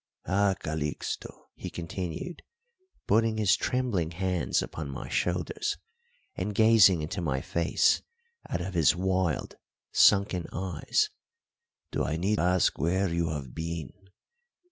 "Ha, Calixto," he continued, putting his trembling hands upon my shoulders and gazing into my face out of his wild, sunken eyes, "do I need ask where you have been?